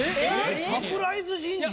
サプライズ人事！